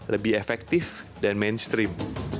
lebih efektif dan mainstream